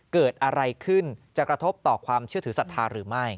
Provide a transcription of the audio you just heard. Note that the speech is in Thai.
เกิดอะไรขึ้นจะกระทบต่อความเชื่อถือศรัทธาหรือไม่